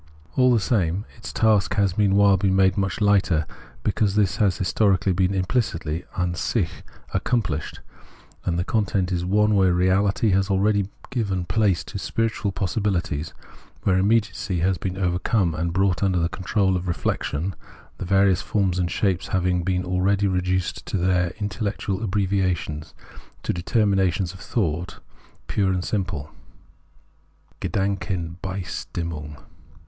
All the same, its task has meanwhile been made much hghter, because this has historically been imphcitly {an sicli) accomphshed, the content is one where reality has already given place to spiritual possi bihties, where immediacy has been overcome and brought under the control of reflection, the various forms and shapes have been already reduced to their intellectual abbreviations, to determinations of thought (GedanJcenbestinimung) pure and simple.